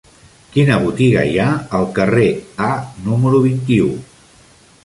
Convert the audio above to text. Quina botiga hi ha al carrer A número vint-i-u?